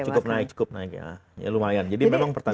cukup naik cukup naik ya lumayan jadi memang pertanyaan